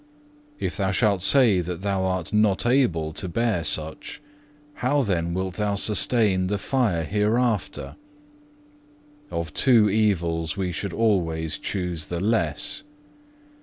If thou shalt say that thou art not able to bear much, how then wilt thou sustain the fire hereafter? Of two evils we should always choose the less.